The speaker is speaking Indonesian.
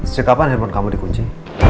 sejak kapan handphone kamu di kunci